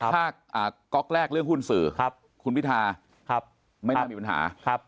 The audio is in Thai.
ถ้าก๊อกแรกเรื่องหุ้นสื่อคุณพิทาไม่น่ามีปัญหา